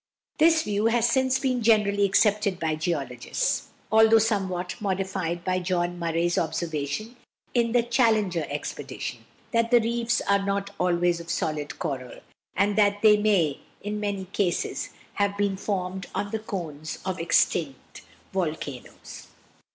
This view has since been generally accepted by geologists, although somewhat modified by Dr John Murray's observation in the Challenger expedition, that the reefs are not always of solid coral, and that they may in many cases have been formed on the cones of extinct volcanoes.